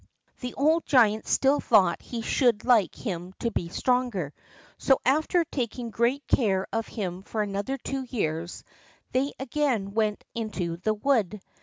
The old giant still thought he should like him to be stronger, so, after taking great care of him for another two years, they again went out into the wood.